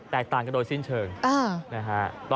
แตกต่างกันโดยสิ้นเชิงนะครับ